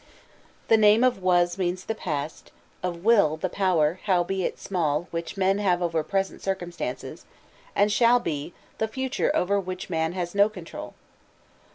The name of Was means the past, of Will, the power, howbeit small, which men have over present circumstances, and Shall Be, the future over which man has no control.